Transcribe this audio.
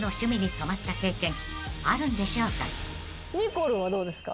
こるんはどうですか？